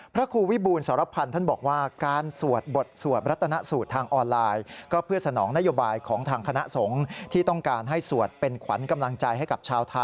พระครูวิบูรณ์สรพันธ์ท่านบอกว่า